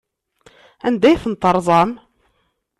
Anda ay tent-terẓam?